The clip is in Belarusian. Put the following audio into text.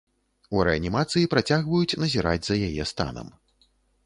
У рэанімацыі працягваюць назіраць за яе станам.